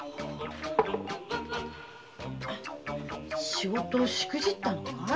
仕事しくじったのかい？